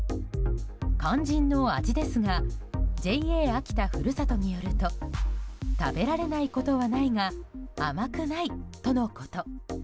肝心の味ですがＪＡ秋田ふるさとによると食べられないことはないが甘くないとのこと。